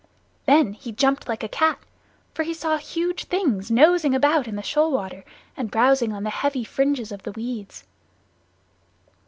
Then he jumped like a cat, for he saw huge things nosing about in the shoal water and browsing on the heavy fringes of the weeds.